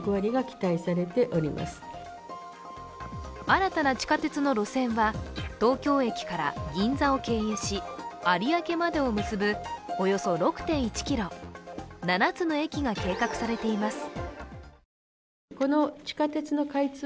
新たな地下鉄の路線は東京駅から銀座を経由し有明までを結ぶおよそ６．１ｋｍ、７つの駅が計画されています。